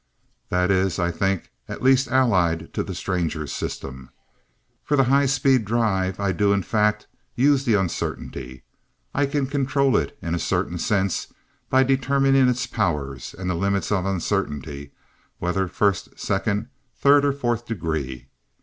"That is, I think, at least allied to the Stranger's system. For the high speed drive, I do in fact use the Uncertainty. I can control it in a certain sense by determining its powers, and the limits of uncertainty, whether First, Second, Third or Fourth Degree.